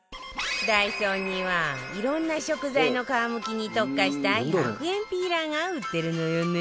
ＤＡＩＳＯ にはいろんな食材の皮むきに特化した１００円ピーラーが売ってるのよね